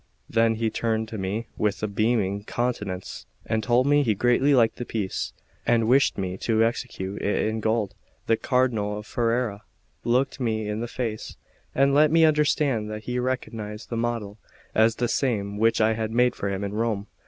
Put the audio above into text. Then he turned to me with a beaming countenance, and told me that he greatly liked the piece, and wished me to execute it in gold. The Cardinal of Ferrara looked me in the face, and let me understand that he recognised the model as the same which I had made for him in Rome.